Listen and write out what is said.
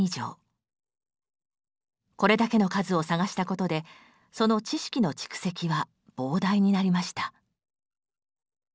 これだけの数を探したことでその知識の蓄積は膨大になりました。